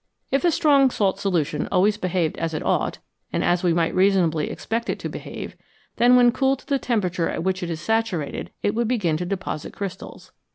If a strong salt solution always behaved as it ought, and as we might reasonably expect it to behave, then when cooled to the temperature at which it is saturated, it would begin to deposit crystals.